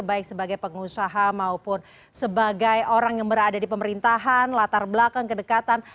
baik sebagai pengusaha maupun sebagai orang yang berada di pemerintahan latar belakang kedekatan